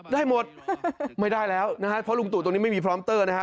ได้หมดไม่ได้แล้วนะฮะเพราะลุงตู่ตรงนี้ไม่มีพร้อมเตอร์นะฮะ